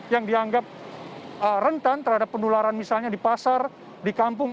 yang dianggap rentan terhadap penularan misalnya di pasar di kampung